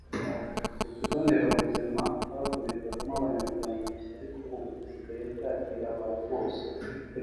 ikigo nderabuzima cyavurirwagamo abanyamuryango gusa ariko ubu gisigaye cyakira abantu bose